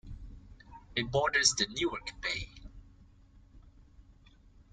It borders the Newark Bay.